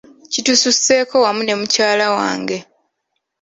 Kitususeko wamu ne mukyala wange.